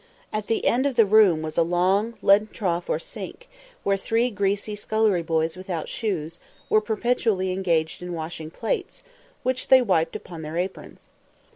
At the end of the room was a long leaden trough or sink, where three greasy scullery boys without shoes, were perpetually engaged in washing plates, which they wiped upon their aprons.